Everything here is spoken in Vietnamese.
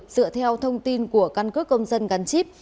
dựa theo thông tin của căn cước công dân gắn chip